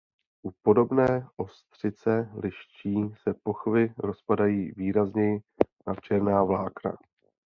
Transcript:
U podobné ostřice liščí se pochvy rozpadají výrazněji na černá vlákna.